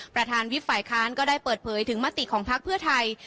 ประธานวิบฝ่ายค้านก็ได้เปิดเผยถึงมติของพักเพื่อไทย